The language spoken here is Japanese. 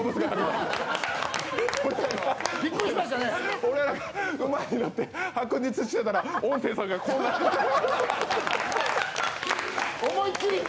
俺らが馬になって白熱してたら音声さんが、こうなって。